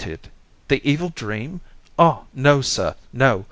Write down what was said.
—the evil dream! Ah! no, sir, no!